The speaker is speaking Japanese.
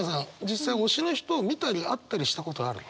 実際推しの人を見たり会ったりしたことある？